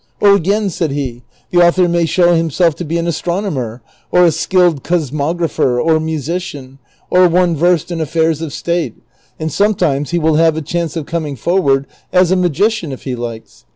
'' Or again," said he, '< the author may show him self to be an astronomer, or a skilled cosmographer, or musician, or one versed in affairs of state, and sometimes he will have a chance of coming forward as a magician if he likes.